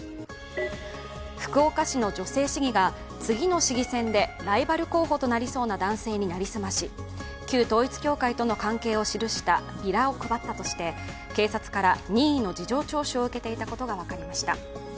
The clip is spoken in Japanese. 福岡市の女性市議が次の市議選でライバル候補となりそうな男性に成り済まし旧統一教会との関係を記したビラを配ったとして警察から任意の事情聴取を受けていたことが分かりました。